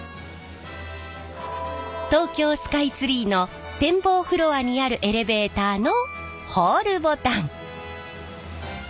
東京スカイツリーの展望フロアにあるエレベーターのホールボタン。